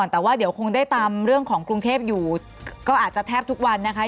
แต่ว่าเดี๋ยวคงได้ตามเรื่องของกรุงเทพอยู่ก็อาจจะแทบทุกวันนะคะ